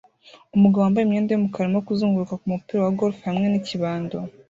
Umugabo wambaye imyenda yumukara arimo kuzunguruka kumupira wa golf hamwe nikibando